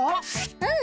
うん。